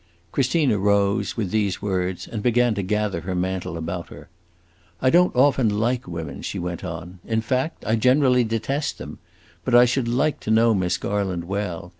Christina rose, with these words, and began to gather her mantle about her. "I don't often like women," she went on. "In fact I generally detest them. But I should like to know Miss Garland well.